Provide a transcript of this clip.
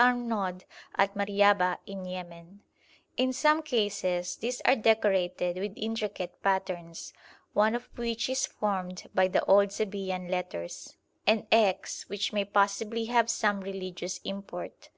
Arnaud at Mariaba in Yemen. In some cases these are decorated with intricate patterns, one of which is formed by the old Sabæan letters [Symbol: circle with dot in middle] and X, which may possibly have some religious import.